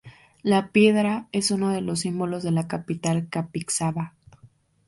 La piedra es uno de los símbolos de la capital capixaba.